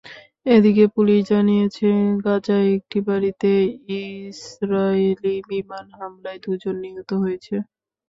এদিকে পুলিশ জানিয়েছে, গাজায় একটি বাড়িতে ইসরায়েলি বিমান হামলায় দুজন নিহত হয়েছে।